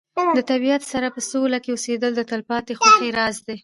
د طبیعت سره په سوله کې اوسېدل د تلپاتې خوښۍ راز دی.